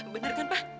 bener kan pak